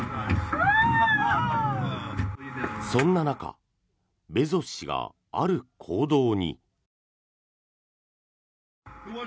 そんな中ベゾス氏がある行動に。